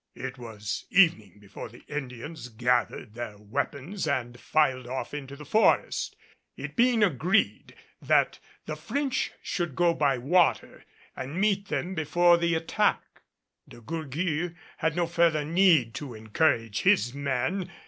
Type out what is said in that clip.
It was evening before the Indians gathered their weapons and filed off into the forest, it being agreed that the French should go by water and meet them before the attack. De Gourgues had no further need to encourage his men.